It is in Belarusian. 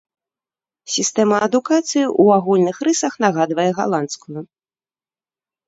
Сістэма адукацыі ў агульных рысах нагадвае галандскую.